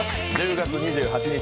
１０月２８日